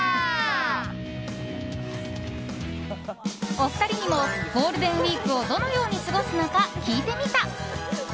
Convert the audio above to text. お二人にもゴールデンウィークをどのように過ごすのか聞いてみた。